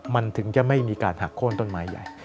มันถึงจะไม่มีการหักโค้นต้นไม้ใหญ่